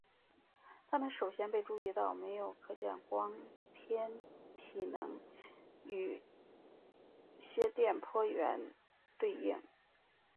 它们首先被注意到没有可见光天体能与些电波源对应。